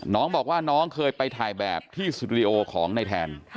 น้องบอกว่าน้องเคยไปถ่ายแบบที่สตูดิโอของในแทน